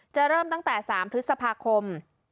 เริ่มตั้งแต่๓พฤษภาคม